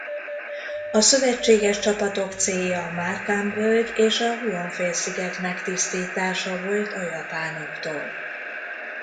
A szövetséges csapatok célja a Markham-völgy és a Huon-félsziget megtisztítása volt a japánoktól.